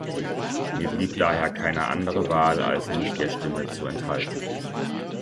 Mir blieb daher keine andere Wahl, als mich der Stimme zu enthalten.